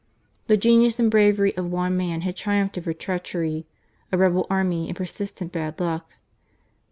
The genius and bravery of one man had triumphed over treachery, a rebel army, and persistent bad luck.